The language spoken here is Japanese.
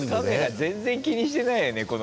全然気にしてないよね